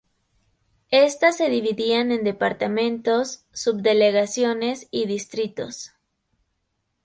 Estas se dividían en departamentos, subdelegaciones y distritos.